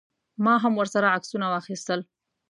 ما هم ورسره عکسونه واخیستل.